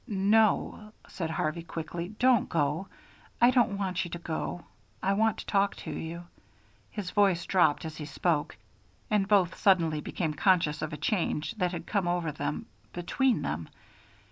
"No," said Harvey, quickly, "don't go. I don't want you to go. I want to talk to you." His voice dropped as he spoke, and both suddenly became conscious of a change that had come over them, between them.